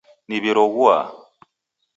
Niw'iroghua